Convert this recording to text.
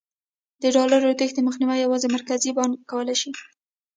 د ډالرو تېښتې مخنیوی یوازې مرکزي بانک کولای شي.